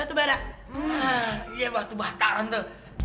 iya batu bata tante